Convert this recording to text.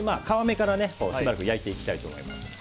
皮目からしばらく焼いていきたいと思います。